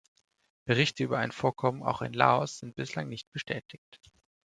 Berichte über ein Vorkommen auch in Laos sind bislang nicht bestätigt.